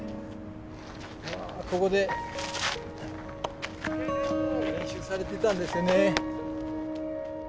うわここで練習されてたんですよね。